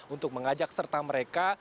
untuk mengajak serta mereka